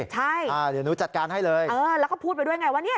ใช่อ่าเดี๋ยวหนูจัดการให้เลยเออแล้วก็พูดไปด้วยไงว่าเนี่ย